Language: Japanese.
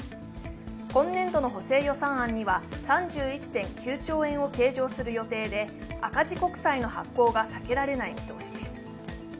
今年度の補正予算案には３１．９兆円を計上する予定で赤字国債の発行が避けられない見通しです。